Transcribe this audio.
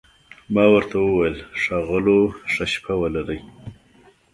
ما ورته وویل: ښاغلو، ښه شپه ولرئ.